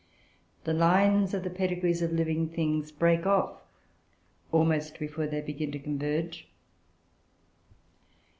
The lines of the pedigrees of living things break off almost before they begin to converge.